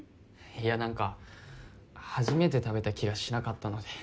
いや何か初めて食べた気がしなかったので。